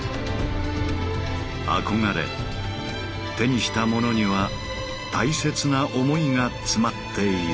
憧れ手にしたものには大切な想いがつまっている。